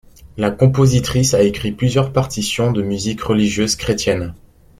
La compositrice a écrit plusieurs partitions de musique religieuse chrétienne.